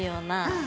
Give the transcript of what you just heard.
うん。